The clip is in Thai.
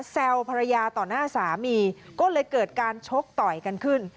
แซวภรรยาต่อหน้าสามีก็เลยเกิดการชกต่อยกันขึ้น